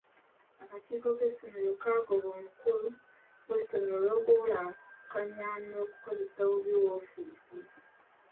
Akakiiko k'essomero kagoba omukulu w'essomero olw'okubulankanya n'okukozesa obubi woofiisi.